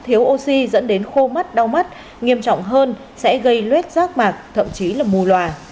thiếu oxy dẫn đến khô mắt đau mắt nghiêm trọng hơn sẽ gây luyết rác mạc thậm chí là mù loà